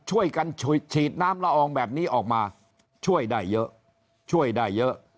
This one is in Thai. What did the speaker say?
ช่วยกันฉีดน้ำละอองแบบนี้ออกมาช่วยได้เยอะช่วยได้เยอะ